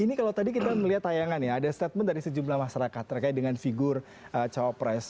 ini kalau tadi kita melihat tayangan ya ada statement dari sejumlah masyarakat terkait dengan figur cawapres